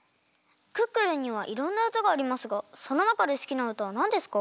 「クックルン」にはいろんなうたがありますがそのなかですきなうたはなんですか？